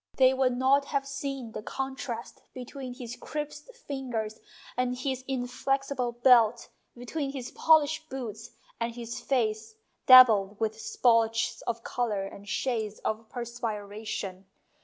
They would not have seen the contrast between his crisped fingers and his inflexible belt, between his polished boots and his face dabbled with splotches of colour and shades of perspiration.